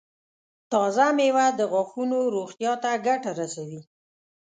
تازه مېوه د غاښونو روغتیا ته ګټه رسوي.